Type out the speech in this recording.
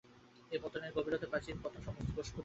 এ পতনের গভীরতায় প্রাচীন পতন-সমস্ত গোষ্পদের তুল্য।